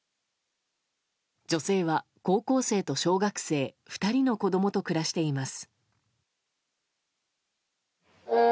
女性は高校生と小学生２人の子供と暮らしています。